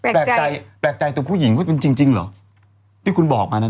แปลกใจแปลกใจตัวผู้หญิงว่าเป็นจริงจริงเหรอที่คุณบอกมานั้น